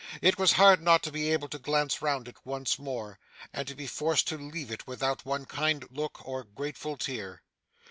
It was hard not to be able to glance round it once more, and to be forced to leave it without one kind look or grateful tear.